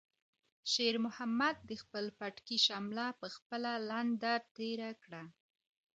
شېرمحمد د خپل پټکي شمله په خپله لنده تېره کړه.